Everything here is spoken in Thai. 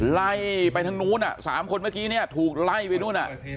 ไล่ไปทั้งนู้นสามคนเมื่อกี้นะถูกไล่ไปนู้น